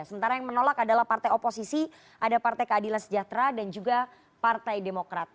sementara yang menolak adalah partai oposisi ada partai keadilan sejahtera dan juga partai demokrat